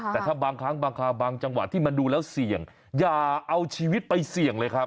แต่ถ้าบางครั้งบางคราวบางจังหวะที่มันดูแล้วเสี่ยงอย่าเอาชีวิตไปเสี่ยงเลยครับ